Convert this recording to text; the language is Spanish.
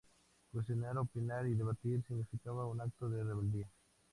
Cuestionar, opinar o debatir significaban un acto de rebeldía.